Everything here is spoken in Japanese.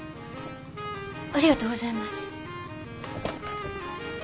ありがとうございます。